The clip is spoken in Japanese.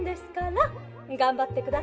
がんばってくださいな。